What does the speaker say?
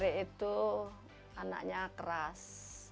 tri itu anaknya keras